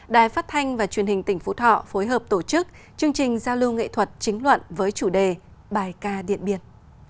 đài phát thanh và truyền hình tỉnh phú thọ phối hợp tổ chức chương trình giao lưu nghệ thuật chính luận với chủ đề bài ca điện biên